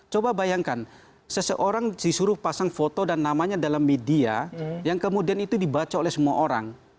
coba bayangkan seseorang disuruh pasang foto dan namanya dalam media yang kemudian itu dibaca oleh semua orang